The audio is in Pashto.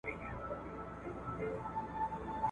ښځي وویل هوښیاره یم پوهېږم ,